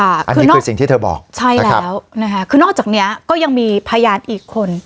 อันนี้คือสิ่งที่เธอบอกใช่แล้วนะคะคือนอกจากเนี้ยก็ยังมีพยานอีกคน